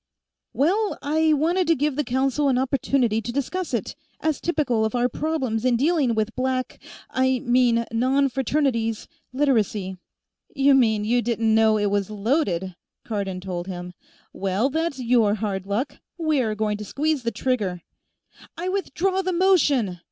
"Well, I wanted to give the Council an opportunity to discuss it, as typical of our problems in dealing with Black ... I mean, non Fraternities ... Literacy " "You mean, you didn't know it was loaded!" Cardon told him. "Well, that's your hard luck; we're going to squeeze the trigger!" "I withdraw the motion!"